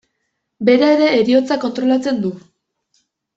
Bera ere heriotza kontrolatzen du.